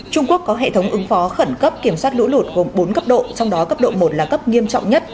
trung quốc có hệ thống ứng phó khẩn cấp kiểm soát lũ lụt gồm bốn cấp độ trong đó cấp độ một là cấp nghiêm trọng nhất